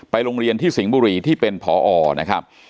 โรงเรียนที่สิงห์บุรีที่เป็นผอนะครับ